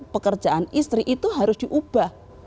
pekerjaan istri itu harus diubah